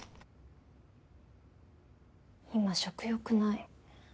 今食欲ない。